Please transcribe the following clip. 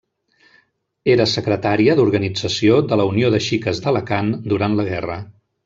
Era secretària d’organització de la Unió de Xiques d’Alacant durant la guerra.